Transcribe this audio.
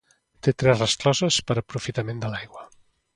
Té tres rescloses per l'aprofitament de l'aigua.